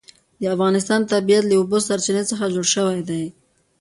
د افغانستان طبیعت له د اوبو سرچینې څخه جوړ شوی دی.